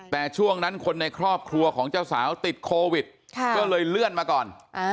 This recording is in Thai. แต่ช่วงนั้นคนในครอบครัวของเจ้าสาวติดโควิดก็เลยเลื่อนมาก่อน